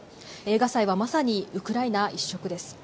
映画祭はまさにウクライナ一色です。